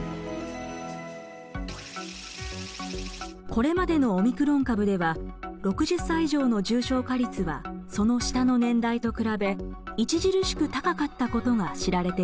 これまでのオミクロン株では６０歳以上の重症化率はその下の年代と比べ著しく高かったことが知られています。